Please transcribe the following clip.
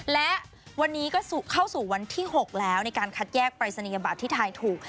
และวันนี้ก็เข้าสู่วันที่๖แล้วในการคัดแยกปรายศนียบัตรที่ทายถูก